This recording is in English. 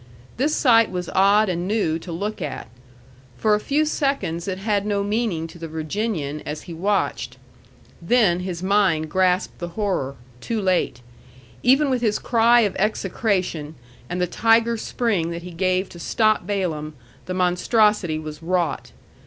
This sight was odd and new to look at. For a few seconds it had no meaning to the Virginian as he watched. Then his mind grasped the horror, too late. Even with his cry of execration and the tiger spring that he gave to stop Balaam, the monstrosity was wrought.